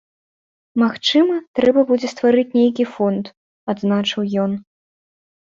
Магчыма, трэба будзе стварыць нейкі фонд, адзначыў ён.